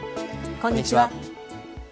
こんにちは。